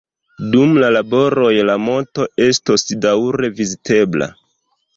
Dum la laboroj la monto estos daŭre vizitebla.